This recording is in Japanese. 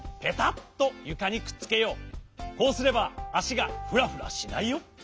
こうすればあしがふらふらしないよ。